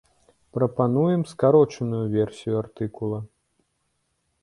Прапануем скарочаную версію артыкула.